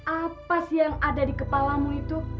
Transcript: apa sih yang ada di kepalamu itu